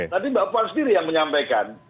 tadi mbak puan sendiri yang menyampaikan